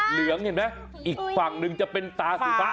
เหลืองเห็นไหมอีกฝั่งหนึ่งจะเป็นตาสีฟ้า